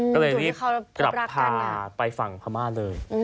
ก็เลยรีบกลับพานาไปฝั่งพม่าเลย